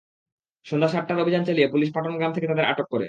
সন্ধ্যা সাতটায় অভিযান চালিয়ে পুলিশ পাটন গ্রাম থেকে তাঁদের আটক করে।